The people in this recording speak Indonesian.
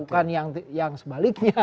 bukan yang sebaliknya